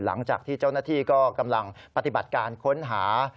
หลังจากที่เจ้าหน้าที่ก็กำลังปฏิบัติการค้นหา